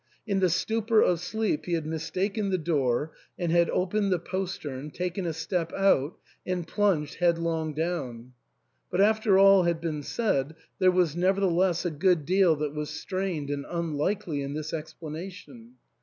In the stupor of sleep he had mistaken the door, and had opened the postern, taken a step out, and plunged headlong down. But after all had been said, there was nevertheless a good deal that was strained and unlikely in this explanation.